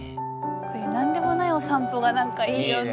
こういう何でもないお散歩が何かいいよね。